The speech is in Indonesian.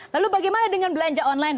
lalu bagaimana dengan belanja online